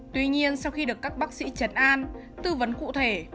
tuy nhiên sau khi được các bác sĩ chấn an tư vấn cụ thể